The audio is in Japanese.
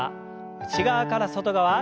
内側から外側。